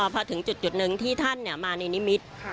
พอถึงจุดหนึ่งที่ท่านมาในนิมิตร